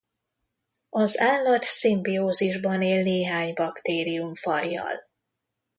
Az állat szimbiózisban él néhány baktérium-fajjal.